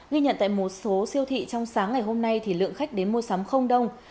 ghi nhận tại một số siêu thị trong sáng ngày hôm nay thì lượng khách đến mua sắm không đông